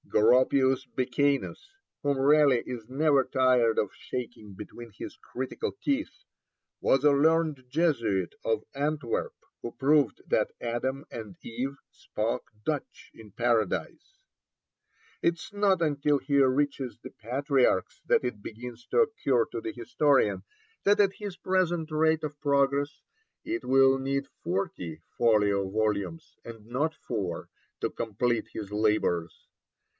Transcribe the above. Goropius Becanus, whom Raleigh is never tired of shaking between his critical teeth, was a learned Jesuit of Antwerp, who proved that Adam and Eve spoke Dutch in Paradise. It is not until he reaches the Patriarchs that it begins to occur to the historian that at his present rate of progress it will need forty folio volumes, and not four, to complete his labours.